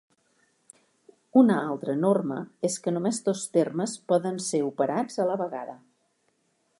Una altra norma és que només dos termes poden ser operats a la vegada.